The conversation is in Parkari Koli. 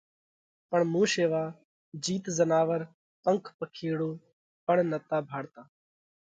پڻ مُون شيوا جيت زناور پنک پکيرُو پڻ نتا ڀاۯتا۔